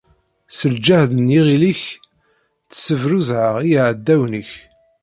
S lǧehd n yiɣil-ik, tessebruzzɛeḍ iɛdawen-ik.